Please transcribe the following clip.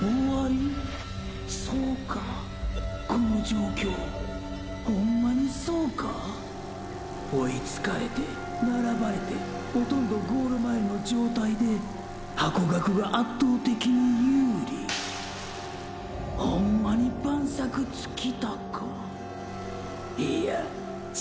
この状況ホンマにそうか⁉追いつかれて並ばれてほとんどゴール前の状態でハコガクが圧倒的に有利⁉ホンマに万策尽きたか⁉いや！！ちがう！！